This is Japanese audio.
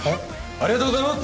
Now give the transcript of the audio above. ありがとうございます！